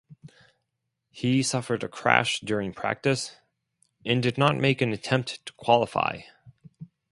He suffered a crash during practice, and did not make an attempt to qualify.